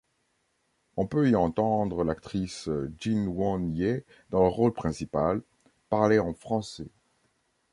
On peut y entendre l'actrice Ji-won Ye, dans le rôle principal, parler en français.